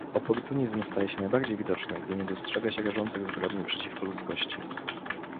Oportunizm staje się najbardziej widoczny, gdy nie dostrzega się rażących zbrodni przeciwko ludzkości